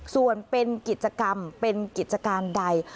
ส่วนเป็นกิจกรรมเป็นกิจการใด